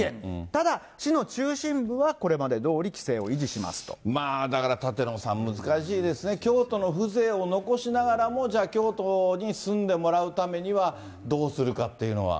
ただ、市の中心部はこれまでどおりまあ、だから舘野さん、難しいですね、京都の風情を残しながらも、じゃあ、京都に住んでもらうためには、どうするかっていうのは。